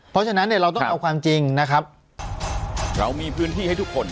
เพราะฉะนั้นเนี่ยเราต้องเอาความจริงนะครับเรามีพื้นที่ให้ทุกคน